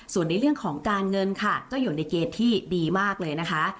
ส่วนในเรื่องของการเงินค่ะก็อยู่ในเกณฑ์ที่ดีมากเลยนะคะ